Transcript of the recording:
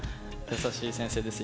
優しい先生です。